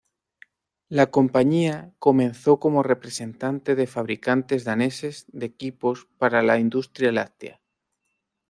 La compañía comenzó como representante de fabricantes daneses de equipos para la industria láctea.